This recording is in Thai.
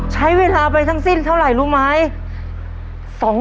ใช้เวลาไปทั้งสิ้นเท่าไหร่รู้ไหม